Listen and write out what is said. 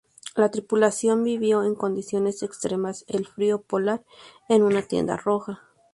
La tripulación vivió en condiciones extremas en el frío polar, en una tienda roja.